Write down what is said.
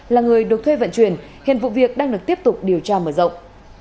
là người được thuê vận chuyển hiện vụ việc đang được tiếp tục điều tra mở rộng